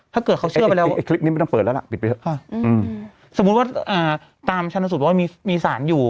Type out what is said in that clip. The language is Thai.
ถ้าเกิดเขาเชื่อไปแล้วสมมุติว่าตามชันสูตรว่ามีสารอยู่